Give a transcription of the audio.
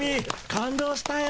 感動したよ。